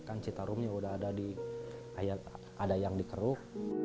kan citarumnya udah ada yang dikeruk